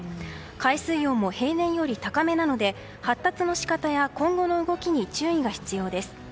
海水温も平年より高めなので発達の仕方や今後の動きに注意が必要です。